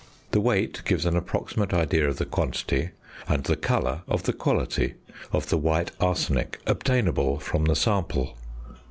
The weight gives an approximate idea of the quantity, and the colour of the quality, of the white arsenic obtainable from the sample.